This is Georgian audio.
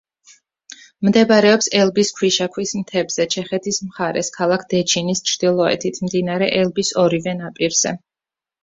მდებარეობს ელბის ქვიშაქვის მთებზე, ჩეხეთის მხარეს, ქალაქ დეჩინის ჩრდილოეთით, მდინარე ელბის ორივე ნაპირზე.